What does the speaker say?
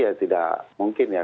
ya tidak mungkin ya